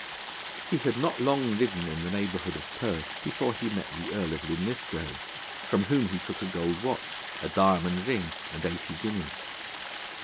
He had not long ridden in the neighbourhood of Perth before he met the Earl of Linlithgow, from whom he took a gold watch, a diamond ring, and eighty guineas.